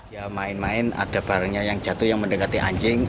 ya main main ada barangnya yang jatuh yang mendekati anjing